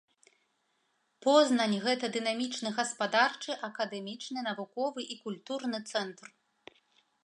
Познань гэта дынамічны гаспадарчы, акадэмічны, навуковы і культурны цэнтр.